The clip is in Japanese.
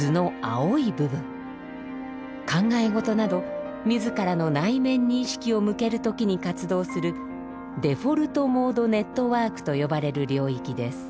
考え事など自らの内面に意識を向ける時に活動するデフォルトモードネットワークと呼ばれる領域です。